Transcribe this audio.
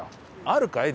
あるかい？